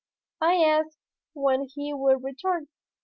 I asked when he would return.